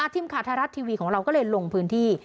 อธิมคาทารัททีวีของเราก็เลยลงพื้นที่